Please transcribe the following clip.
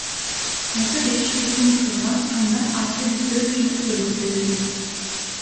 Азыр иш УКМКга андан аркы иликтөө үчүн өткөрүлүп берилди.